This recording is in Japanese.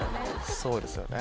そうですよね。